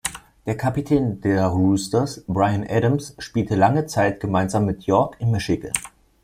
Der Kapitän der Roosters Bryan Adams spielte lange Zeit gemeinsam mit York in Michigan.